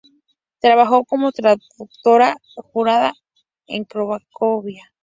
Trabajó como traductora jurada en Cracovia.